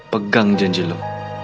pegang janji lo